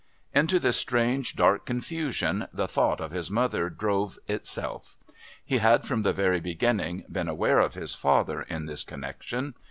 Into this strange dark confusion the thought of his mother drove itself. He had from the very beginning been aware of his father in this connection.